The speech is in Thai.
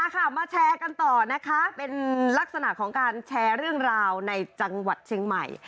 ค่ะมาแชร์กันต่อนะคะเป็นลักษณะของการแชร์เรื่องราวในจังหวัดเชียงใหม่